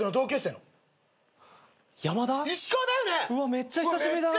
めっちゃ久しぶりだな。